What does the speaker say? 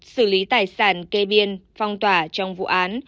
xử lý tài sản kê biên phong tỏa trong vụ án